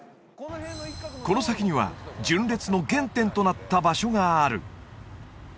この先には純烈の原点となった場所がある